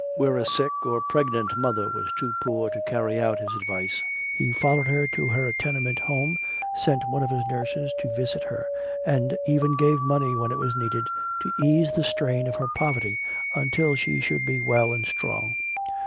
Where a sick or pregnant mother was too poor to carry out his advice, he followed her into her tenement home, sent one of his nurses to visit her, and even gave money when it was needed to ease the strain of her poverty until she should be well and strong.